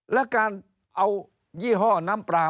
และการเอายี่ห้อน้ำปลา